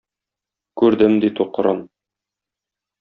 Күрдем, - ди тукран.